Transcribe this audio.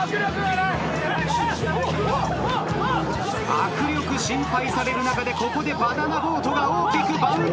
握力心配される中でここでバナナボートが大きくバウンド。